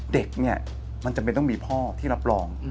เด็กต้องมีพ่อคุณรับรอง